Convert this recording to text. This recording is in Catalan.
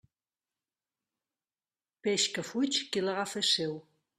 Peix que fuig, qui l'agafa és seu.